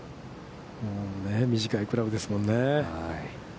短いクラブですもんね。